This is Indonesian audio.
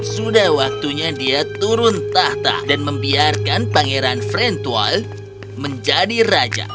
sudah waktunya dia turun tahta dan membiarkan pangeran frentual menjadi raja